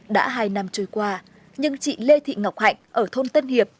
đã hai năm trôi qua nhưng chị lê thị ngọc hạnh ở thôn tân hiệp